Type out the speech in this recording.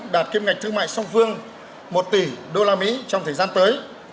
đạt kim ngạch thương mại song phương một tỷ usd trong thời gian tới